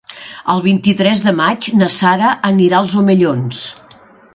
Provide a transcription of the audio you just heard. El vint-i-tres de maig na Sara anirà als Omellons.